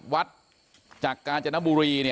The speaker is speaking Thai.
วัดจากกาญจนบุรี